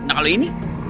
nah kalau ini